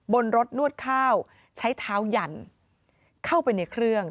บนรถนวดข้าวใช้เท้ายันเข้าไปในเครื่อง